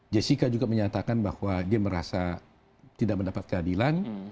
jessica juga menyatakan bahwa dia merasa tidak mendapat keadilan